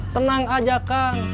tenang aja kang